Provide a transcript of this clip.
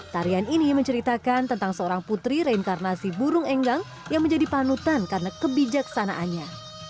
tarian ini menceritakan tentang seorang putri reinkarnasi burung enggang yang menjadi panutan karena kebijaksanaannya